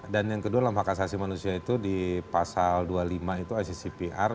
dan yang kedua dalam hak asasi manusia itu di pasal dua puluh lima itu iccpr